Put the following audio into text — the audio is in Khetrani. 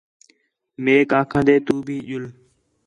میک آکھان٘دے تُو بھی ڄُل